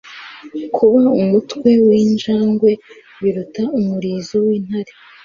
Kuba umutwe w'injangwe biruta umurizo w'intare.